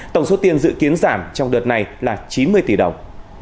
tổng số tiền dự kiến giảm trong đợt này là chín mươi tỷ đồng